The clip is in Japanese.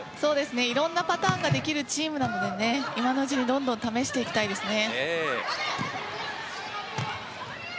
いろいろなパターンができるチームなので今のうちにどんどん試したいですね。